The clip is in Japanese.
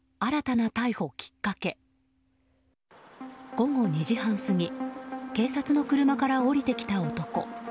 午後２時半過ぎ警察の車から降りてきた男。